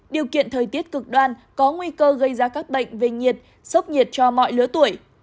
điều kiện thời tiết cực đoan có nguy cơ gây ra các bệnh về nhiệt sốc nhiệt cho mọi lứa tuổi